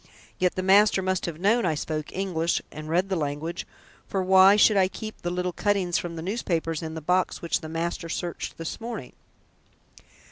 Yet the master must have known I spoke English and read the language, for why should I keep the little cuttings from the newspapers in the box which the master searched this morning?"